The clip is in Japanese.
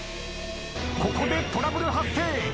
ここでトラブル発生。